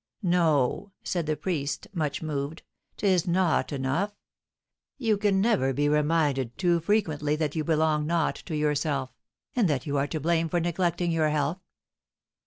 "No," said the priest, much moved, "'tis not enough! You can never be reminded too frequently that you belong not to yourself, and that you are to blame for neglecting your health.